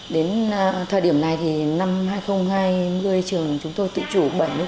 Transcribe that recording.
đến thời điểm này thì năm hai nghìn hai mươi trường chúng tôi tự chủ bảy mươi